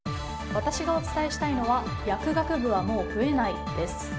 私がお伝えしたいのは薬学部はもう増えないです。